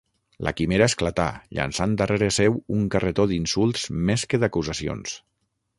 La quimera esclatà, llançant darrere seu un carretó d'insults més que d'acusacions.